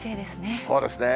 そうですね。